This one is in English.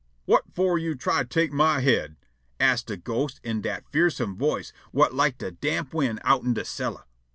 "Whut for you try to take my head?" ask' de ghost in dat fearsome voice whut like de damp wind outen de cellar.